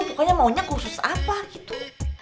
pokoknya maunya khusus apa gitu